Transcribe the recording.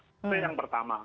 itu yang pertama